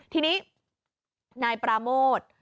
ทีนี้นายปราโมท